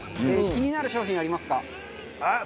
気になる商品ありますか？